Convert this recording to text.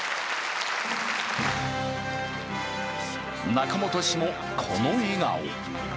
中本氏も、この笑顔。